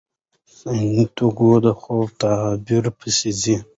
سانتیاګو د خوب تعبیر پسې ځي.